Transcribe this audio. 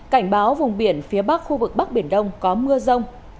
cảnh báo vùng biển phía bắc khu vực bắc biển đông có mưa rông